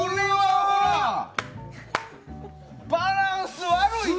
バランス悪いて！